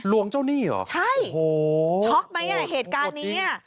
ลวงเจ้าหนี้เหรอโอ้โฮโอ้โฮจริงใช่ช็อคไหมเหตุการณ์นี้